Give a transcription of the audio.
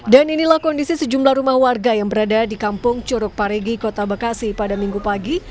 dan inilah kondisi sejumlah rumah warga yang berada di kampung corok paregi kota bekasi pada minggu pagi